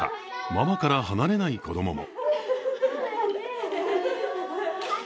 ママから離れない子どもも。